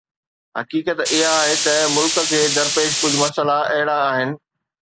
حقيقت اها آهي ته ملڪ کي درپيش ڪجهه مسئلا اهڙا آهن.